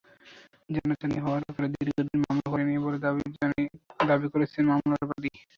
জানাজানি হওয়ার ভয়ে দীর্ঘদিন মামলা করেননি বলে দাবি করেছেন মামলার বাদী।